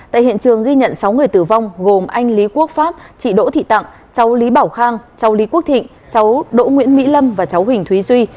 tại hiện trường ghi nhận sáu người tử vong gồm anh lý quốc pháp chị đỗ thị tặng cháu lý bảo khang châu lý quốc thịnh cháu đỗ nguyễn mỹ lâm và cháu huỳnh thúy duy